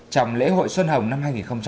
trong lễ hội xuân hồng năm hai nghìn một mươi sáu